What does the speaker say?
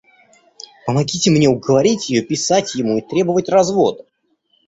Помогите мне уговорить ее писать ему и требовать развода!